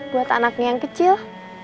buat anaknya yang kecil